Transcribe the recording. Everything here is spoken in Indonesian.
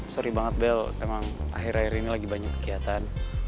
sorry banget bel emang akhir akhir ini lagi banyak kegiatan